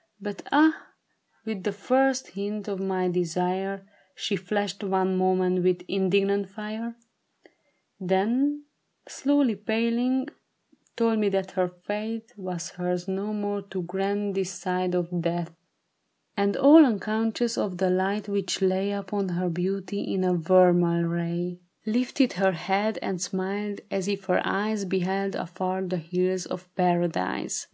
" But ah, w^ith the first hint of my desire, She flashed one moment with indignant fire, Then, slowly paling, told me that her faith Was hers no more to grant this side of death And all unconscious of the light which lay Upon her beauty in a vermeil ray. 84 ISABEL MA YNOR. Lifted her head and smiled, as if her eyes Beheld afar the hills of Paradise.